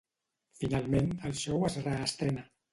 Finalment, el show es reestrena.